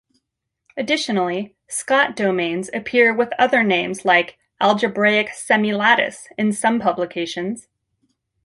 Additionally, Scott domains appear with other names like "algebraic semilattice" in some publications.